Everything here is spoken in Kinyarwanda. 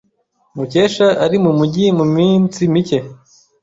Mukesha ari mumujyi muminsi mike.